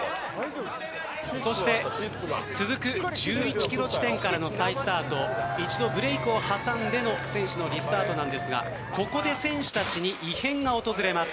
そして続く１１キロ地点からの再スタート一度ブレークを挟んでの選手のリスタートなんですがここで選手たちに異変が訪れます。